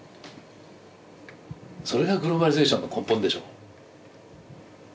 それがグローバリゼーションの根本でしょう。